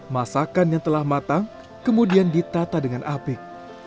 masakan yang telah matang kemudian ditata dengan apik